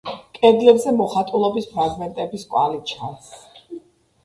კედლებზე მოხატულობის ფრაგმენტების კვალი ჩანს.